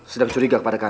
sedang curiga kepada kami